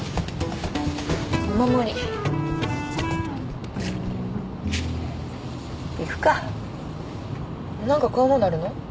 お守り行くかなんか買うものあるの？